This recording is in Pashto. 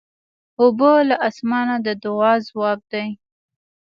اوبه له اسمانه د دعا ځواب دی.